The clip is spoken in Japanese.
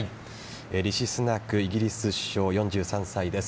リシ・スナクイギリス首相、４３歳です。